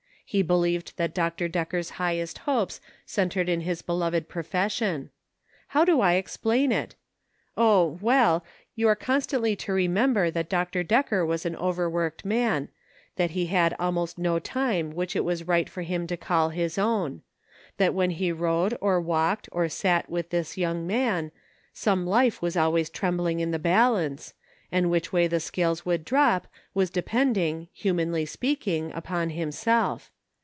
He believed that Dr. Decker's highest hopes centered in his beloved profession. How do I explain it } O, well ! you are constantly to remember that Dr. Decker was an overworked man ; that he had al most no time which it was right for him to call his own ; that when he rode or walked, or sat with this young man, some life was always trembling in the balance, and which way the scales would drop was depending, humanly speaking, upon himself.